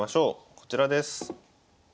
こちらです。